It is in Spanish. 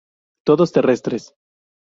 Todos terrestres.